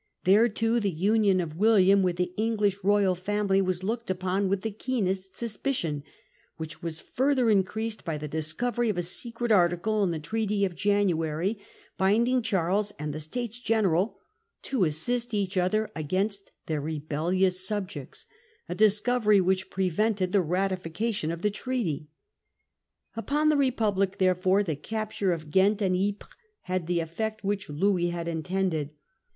There toojthe union of William with the English royal family was looked upon with the keenest suspicion, which was further increased by the discovery of a secret article in the treaty of January, binding Charles and the States General to assist each other against their rebellious subjects— a discovery which pre vented the ratification of the treaty. Upon the Republic therefore the capture of Ghent and Ypres had the effect which Louis had intended.